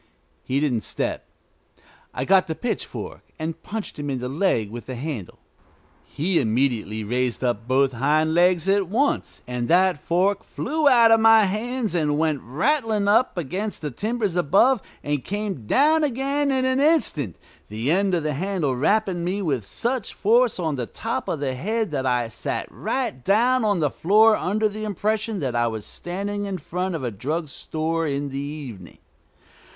He didn't step. I got the pitchfork and punched him in the leg with the handle. He immediately raised up both hind legs at once, and that fork flew out of my hands, and went rattling up against the timbers above, and came down again in an instant, the end of the handle rapping me with such force on the top of the head that I sat right down on the floor under the impression that I was standing in front of a drug store in the evening.